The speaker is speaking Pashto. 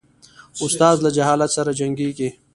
استاد له جهالت سره جنګیږي.